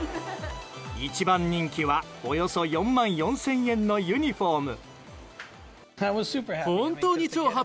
一番人気はおよそ４万４０００円のユニホーム。